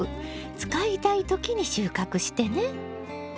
使いたいときに収穫してね！